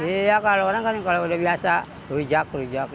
iya kalau orang kan kalau udah biasa hujak hujak gitu